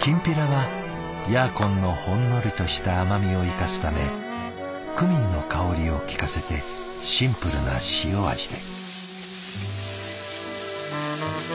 きんぴらはヤーコンのほんのりとした甘みを生かすためクミンの香りを効かせてシンプルな塩味で。